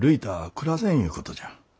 暮らせんいうことじゃ。